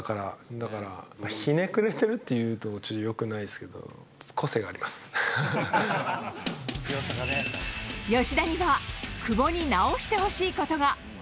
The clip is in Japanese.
だから、ひねくれてるって言うとちょっとよくないですけど、個性がありま吉田には久保に直してほしいことが。